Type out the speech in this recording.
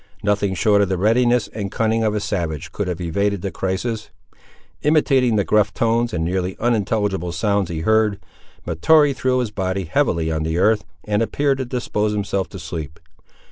Nothing short of the readiness and cunning of a savage could have evaded the crisis. Imitating the gruff tones and nearly unintelligible sounds he heard, Mahtoree threw his body heavily on the earth, and appeared to dispose himself to sleep.